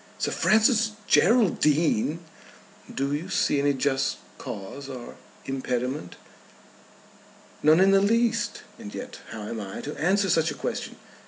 "Sir Francis Geraldine!" "Do you see any just cause or impediment?" "None in the least. And yet how am I to answer such a question?